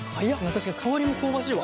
確かに香りも香ばしいわ。